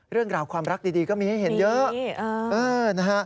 เรื่องราวความรักดีก็มีให้เห็นเยอะนะฮะ